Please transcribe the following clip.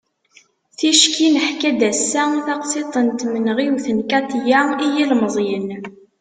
ticki neḥka-d ass-a taqsiḍt n tmenɣiwt n katia i yilmeẓyen